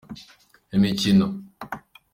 imikino.